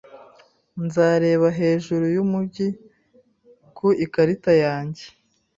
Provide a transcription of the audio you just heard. Nzareba hejuru yumujyi ku ikarita yanjye.